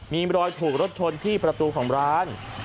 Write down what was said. มีรอยถูกรถชนที่ประตูของร้าน